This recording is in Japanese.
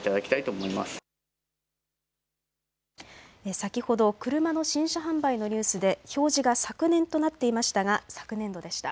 先ほど、車の新車販売のニュースで表示が昨年となっていましたが昨年度でした。